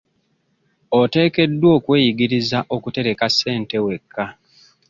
Oteekeddwa okweyigiriza okutereka ssente wekka.